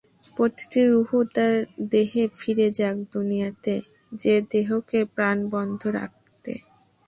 প্রতিটি রূহ তার দেহে ফিরে যাক দুনিয়াতে যে দেহকে প্রাণবন্ত রাখতে।